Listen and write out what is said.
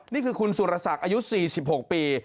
นี่คือคุณสุรศักดิ์อายุ๔๖ปี